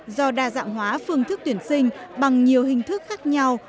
do đa dạng hóa phương thức tuyển sinh bằng nhiều hình thức khác nhau